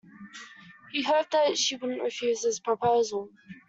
He hoped that she wouldn't refuse his proposal